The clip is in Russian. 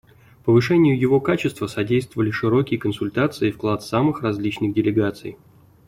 Повышению его качества содействовали широкие консультации и вклад самых различных делегаций.